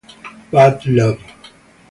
Bad Love